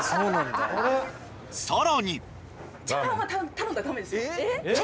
さらにえ！？